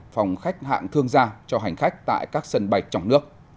phòng khách hạng thương gia cho hành khách tại các sân bạch trong nước